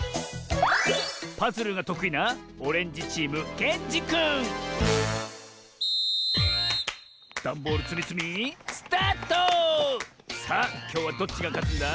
パズルがとくいなダンボールつみつみさあきょうはどっちがかつんだ？